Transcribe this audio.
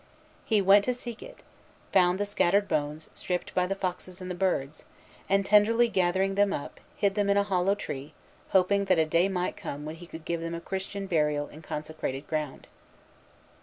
He went to seek it; found the scattered bones, stripped by the foxes and the birds; and, tenderly gathering them up, hid them in a hollow tree, hoping that a day might come when he could give them a Christian burial in consecrated ground.